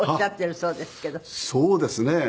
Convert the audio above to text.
そうですね。